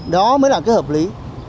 đó mới là cái hợp lý